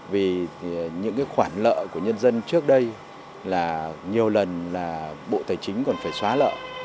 vì những khoản nợ của nhân dân trước đây là nhiều lần là bộ tài chính còn phải xóa nợ